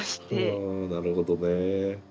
はあなるほどね。